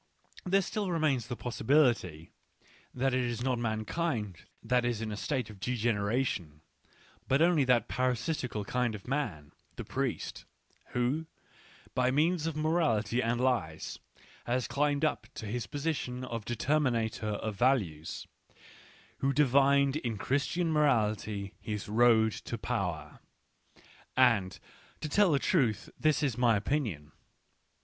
There still remains the possibility that it is not mankind that is in a state of degeneration, but only that parasitical kind of man — the priest, Digitized by Google WHY I AM A FATALITY 141 who, by means of morality and lies, has climbed up to his position of determinator of values, whodivined in Christian morality his road to power. And, to tell the truth, this is my opinion.